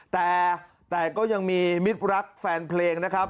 แต่ก็ยังมีมิตรรักแฟนเพลงนะครับ